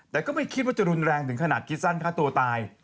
แต่ก็ไม่คิดว่าจะรุนแรงถึงขนาดคิดสั้นฆ่าตัวตาย